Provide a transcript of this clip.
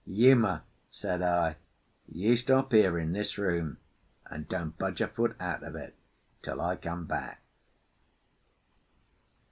"Uma," said I, "you stop here in this room, and don't budge a foot out of it till I come back."